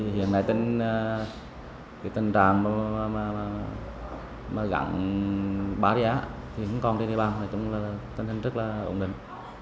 hiện nay tân trạng gắn barrier thì không còn trên địa bàn trong đó là tân hình rất là ổn định